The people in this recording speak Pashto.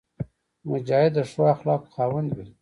مجاهد د ښو اخلاقو خاوند وي.